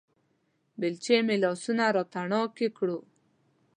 بېلچې مې لاسونه راتڼاکې کړو